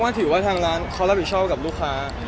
ถือว่าทางร้านเขารับผิดชอบกับลูกค้า